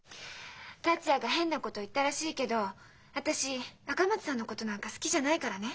達也が変なこと言ったらしいけど私赤松さんのことなんか好きじゃないからね。